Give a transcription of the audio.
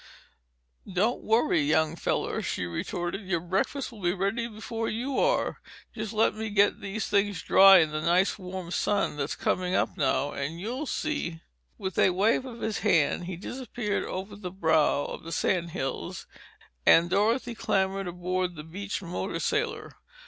"Don't worry, young feller," she retorted. "Your breakfast will be ready before you are. Just let me get these things drying in the nice warm sun that's coming up now, and you'll see!" With a wave of his hand he disappeared over the brow of the sand hills, and Dorothy clambered aboard the beached motor sailor.